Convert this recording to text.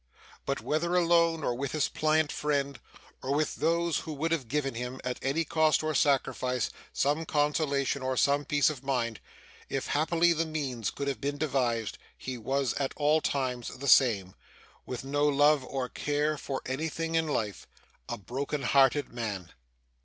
But, whether alone, or with this pliant friend, or with those who would have given him, at any cost or sacrifice, some consolation or some peace of mind, if happily the means could have been devised; he was at all times the same with no love or care for anything in life a broken hearted man.